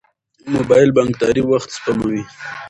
موبایل بانکداري وخت سپموي.